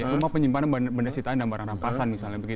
rumah penyimpanan benda sitan dan barang rampasan